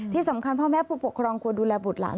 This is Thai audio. ที่สำคัญพ่อแม่ผู้ปกครองควรดูแลบุตรหลาน